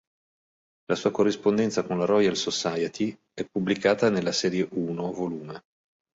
La sua corrispondenza con la Royal Society è pubblicata nel serie I, vol.